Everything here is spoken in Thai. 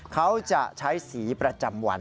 เขาจะใช้สีประจำวัน